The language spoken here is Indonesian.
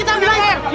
ada udah udah puji